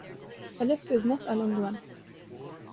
The list is not a long one.